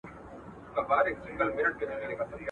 چا منلی چا له یاده دی ایستلی.